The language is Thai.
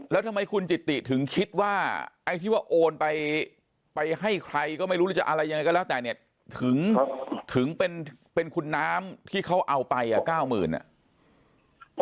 แล้วทำไมคุณจิตติถึงคิดว่าไอ้ที่ว่าโอนไปไปให้ใครก็ไม่รู้หรือจะอะไรยังไงก็แล้วแต่เนี่ยถึงเป็นคุณน้ำที่เขาเอาไปอ่ะ๙๐๐อ่ะ